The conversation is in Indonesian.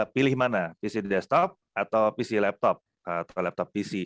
pilih mana pc desktop atau pc laptop